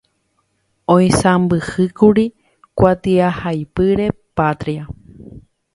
Oisãmbyhýkuri Kuatiahaipyre “Patria”.